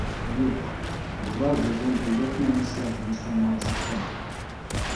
Юҡ, былар беҙҙән һөйләтмәйенсә тынысланмаясаҡтар.